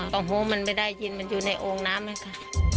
หูมันไม่ได้ยินมันอยู่ในโอ่งน้ำเลยค่ะ